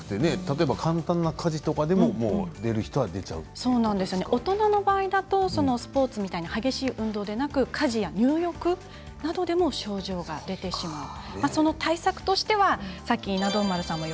簡単な家事でも大人の場合はスポーツみたいな激しい運動でなく家事や入浴などでも症状が出てしまうということなんです。